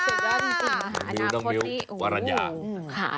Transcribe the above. มิวน้องมิววรรณยา